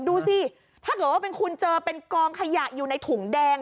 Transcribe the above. ดูสิถ้าเกิดว่าเป็นคุณเจอเป็นกองขยะอยู่ในถุงแดง